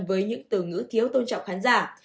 với những từ ngữ thiếu tôn trọng khán giả